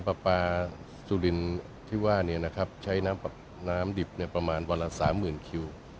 เอาที่ว่านี้นะครับใช้น้ำดิบประมาณวันละซามื่นคิว